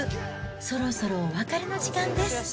そろそろお別れの時間です。